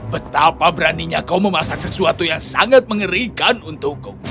betapa beraninya kau memasak sesuatu yang sangat mengerikan untukku